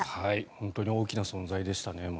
本当に大きな存在でしたね。